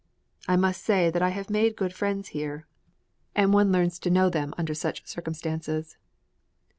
I must say that I have made good friends here, and one learns to know them under such circumstances.